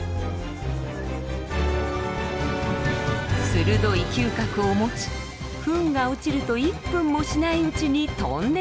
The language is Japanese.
鋭い嗅覚を持ちフンが落ちると１分もしないうちに飛んできます。